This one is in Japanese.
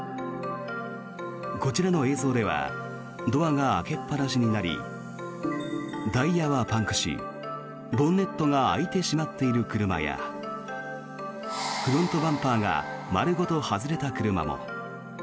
こちらの映像ではドアが開けっぱなしになりタイヤはパンクしボンネットが開いてしまっている車やフロントバンパーが丸ごと外れた車も。